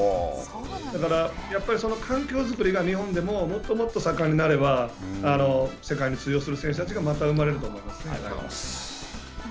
だから、やっぱりその環境づくりが日本でも、もっともっと盛んになれば、世界に通用する選手たちがまた生まれると思いますね。